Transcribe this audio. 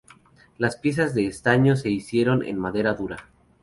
Las piezas de estaño se hicieron en madera dura.